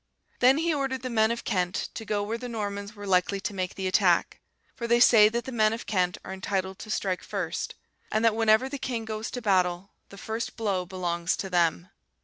Then he ordered the men of Kent to go where the Normans were likely to make the attack; for they say that the men of Kent are entitled to strike first; and that whenever the king goes to battle, the first blow belongs to them.